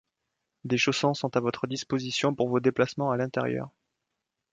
Des chaussons sont à votre disposition pour vos déplacements à l’intérieur.